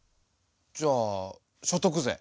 じゃあ所得税。